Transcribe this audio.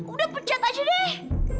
udah pecat aja deh